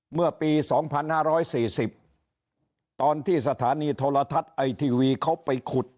เมื่อปี๒๕๔๐ตอนที่สถานีโทรทัศน์ไอทีวีเขาไปขุด